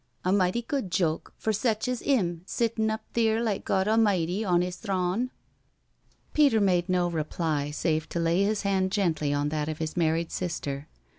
A mighty good joke for sech as 'im, sittin' up theer like Gawd Almighty on 'is thrawnl" Peter made no reply, save to lay his hand gently on that of his married sister.